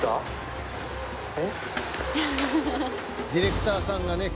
ディレクターさんがね